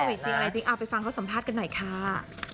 จริงอะไรจริงเอาไปฟังเขาสัมภาษณ์กันหน่อยค่ะ